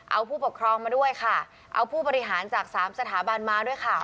เอาผู้ปกครองมาด้วยค่ะเอาผู้บริหารจากสามสถาบันมาด้วยค่ะ